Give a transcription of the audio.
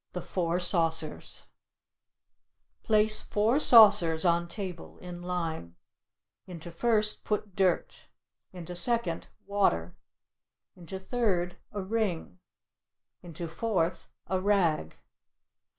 THE FOUR SAUCERS Place four saucers on table in line. Into first put dirt; into second, water; into third, a ring; into fourth, a rag.